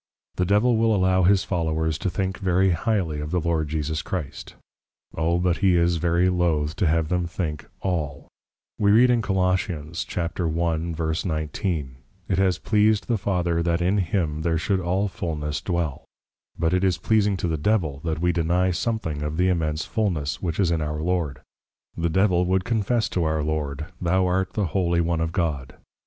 The Devil will allow his Followers to think very highly of the Lord Jesus Christ; O but he is very lothe to have them think, All. We read in Col. 1.19. It has pleased the Father, that in Him there should all Fullness dwell. But it is pleasing to the Devil that we deny something of the Immense Fullness, which is in our Lord. The Devil would confess to our Lord, _Thou art the Holy One of God!